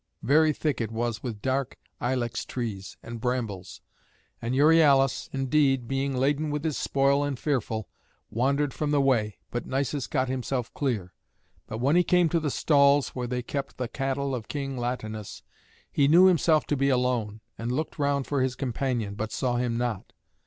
Very thick it was with dark ilex trees and brambles. And Euryalus, indeed, being laden with his spoil and fearful, wandered from the way, but Nisus got himself clear. But when he came to the stalls where they kept the cattle of King Latinus, he knew himself to be alone, and looked round for his companion, but saw him not.